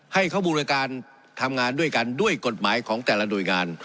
ให้เขาบริการทำงานด้วยกันด้วยกฎหมายของแต่ละหน่วยงาน